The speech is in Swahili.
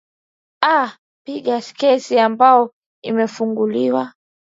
aa pinga kesi ambao imefunguliwa